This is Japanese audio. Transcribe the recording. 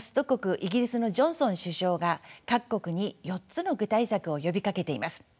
イギリスのジョンソン首相が各国に４つの具体策を呼びかけています。